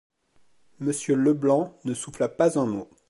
Monsieur Leblanc ne souffla pas un mot.